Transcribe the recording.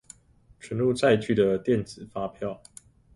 存入載具的電子發票